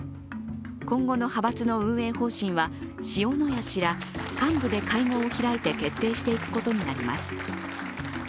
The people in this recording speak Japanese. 今後の派閥の運営方針は、塩谷氏ら幹部で会合を開いて決定していくことになります。